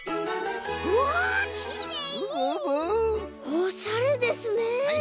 おしゃれですね。